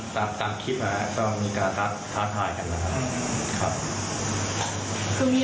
เรื่องของเรื่องที่เรื่องตกลงกันไม่ได้